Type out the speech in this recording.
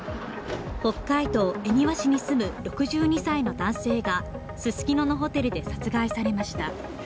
北海道恵庭市に住む６２歳の男性がススキノのホテルで殺害されました。